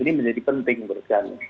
ini menjadi penting menurut kami